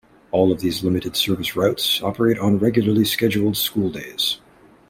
All of these limited service routes operate on regularly scheduled school days.